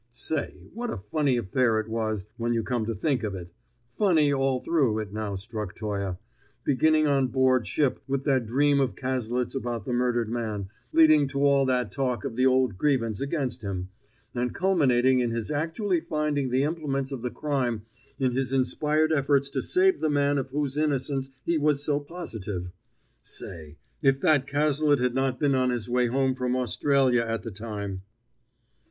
Say, what a funny affair it was when you came to think of it! Funny all through, it now struck Toye; beginning on board ship with that dream of Cazalet's about the murdered man, leading to all that talk of the old grievance against him, and culminating in his actually finding the implements of the crime in his inspired efforts to save the man of whose innocence he was so positive. Say, if that Cazalet had not been on his way home from Australia at the time!